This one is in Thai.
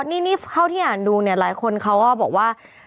นี่เขาที่อ่านดูหลายคนเขาก็บอกว่า